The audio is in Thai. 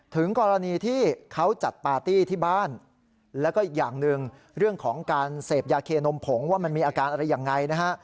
ถึงกรณีที่เขาจัดปาร์ตี้ที่บ้านแล้วก็อีกอย่างหนึ่งเรื่องของการเสพยาเคนมผงว่ามันมีอาการอะไรยังไงนะฮะ